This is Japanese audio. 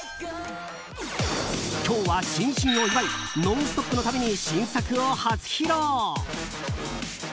今日は新春を祝い「ノンストップ！」のために新作を初披露。